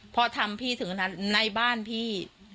พอทำพี่ถึงขนาดในบ้านพี่